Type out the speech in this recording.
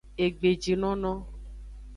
Egbejinono.